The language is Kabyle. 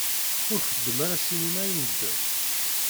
Ur xeddem ara ssinima i medden.